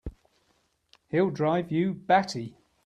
He'll drive you batty!